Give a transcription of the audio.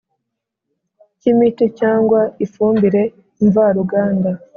cy imiti cyangwa ifumbire mvaruganda